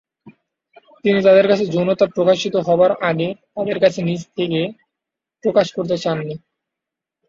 তিনি তাদের কাছে যৌনতা প্রকাশিত হবার আগে তাদের কাছে নিজে থেকে প্রকাশ করতে চান নি।